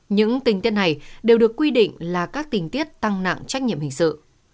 những tình tiết này đều được quy định là các tình tiết tăng nặng trách nhiệm hình sự